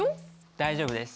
大丈夫です。